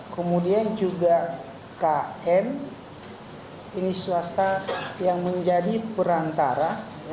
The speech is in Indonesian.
kemudian juga km ini swasta yang menjadi perantara